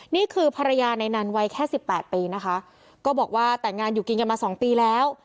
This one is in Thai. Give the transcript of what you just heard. นี่คือภรรยาในนั้นวัยแค่สิบแปดปีนะคะก็บอกว่าแต่งงานอยู่กินกันมาสองปีแล้ว